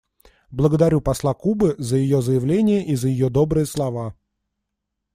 Благодарю посла Кубы за ее заявление и за ее добрые слова.